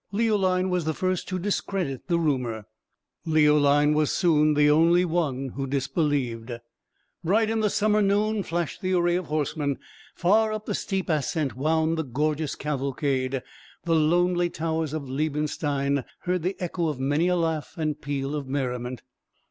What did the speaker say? Leoline was the first to discredit the rumour; Leoline was soon the only one who disbelieved. Bright in the summer noon flashed the array of horsemen; far up the steep ascent wound the gorgeous cavalcade; the lonely towers of Liebenstein heard the echo of many a laugh and peal of merriment.